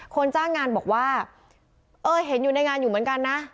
คนจ้างงานบอกว่าเออเห็นอยู่ในงานอยู่เหมือนกันนะ